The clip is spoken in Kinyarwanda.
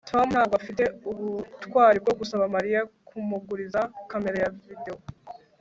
Tom ntabwo afite ubutwari bwo gusaba Mariya kumuguriza kamera ya videwo